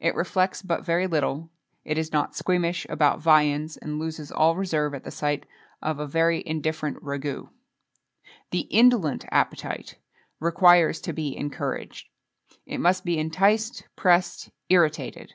It reflects but very little; is not squeamish about viands, and loses all reserve at the sight of a very indifferent ragoût. The indolent appetite requires to be encouraged. It must be enticed, pressed, irritated.